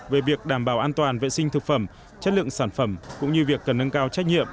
về việc đảm bảo an toàn vệ sinh thực phẩm chất lượng sản phẩm cũng như việc cần nâng cao trách nhiệm